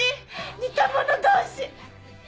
似た者同士！